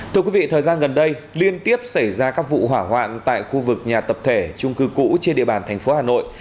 thưa quý vị thời gian gần đây liên tiếp xảy ra các vụ hỏa hoạn tại khu vực nhà tập thể trung cư cũ trên địa bàn thành phố hà nội